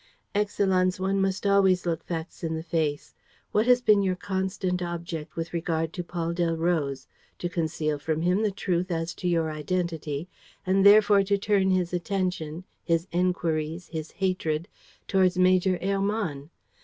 "Excellenz, one must always look facts in the face. What has been your constant object with regard to Paul Delroze? To conceal from him the truth as to your identity and therefore to turn his attention, his enquiries, his hatred, towards Major Hermann.